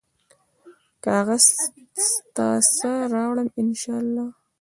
کاغذ ته سا راوړمه ، ان شا الله